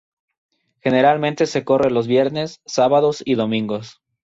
Generalmente se corre los viernes, sábados y domingos.